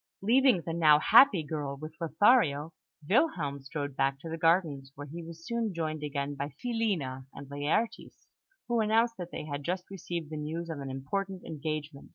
Leaving the now happy girl with Lothario, Wilhelm strolled back to the gardens, where he was soon joined again by Filina and Laertes, who announced that they had just received the news of an important engagement.